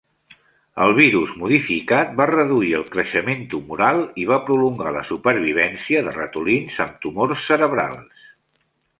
El virus modificat va reduir el creixement tumoral i va prolongar la supervivència de ratolins amb tumors cerebrals.